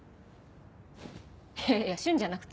いやいやシュンじゃなくて。